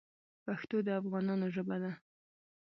پښتو د افغانانو ژبه ده.